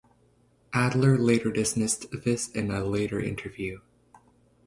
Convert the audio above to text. Adler later dismissed this in a later interview.